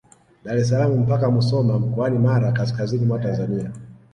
Dar es salaam mpaka Musoma mkoani Mara kaskazini mwa Tanzania